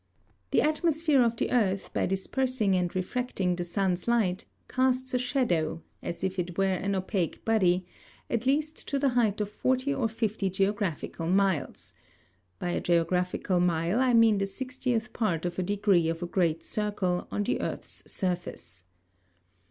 The Atmosphere of the Earth, by dispersing and refracting the Sun's Light, casts a Shadow, as if it were an Opake Body, at least to the height of 40 or 50 Geographical Miles (by a Geographical Mile, I mean the sixtieth part of a Degree of a great Circle, on the Earth's Surface.)